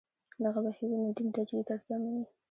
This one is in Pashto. دغه بهیرونه دین تجدید اړتیا مني.